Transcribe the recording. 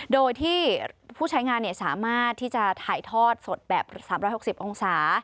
โดยที่ผู้ใช้งานสามารถที่จะถ่ายทอดสดแบบ๓๖๐องศา